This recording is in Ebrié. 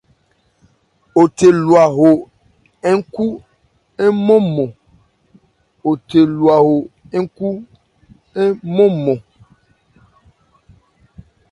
Wo the lwa wo nkhú nmɔ́nnmɔn.